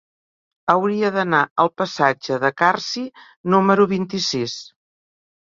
Hauria d'anar al passatge de Carsi número vint-i-sis.